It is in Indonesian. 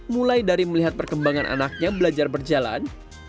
mulai dari melihat perkembangan anaknya belajar berjalan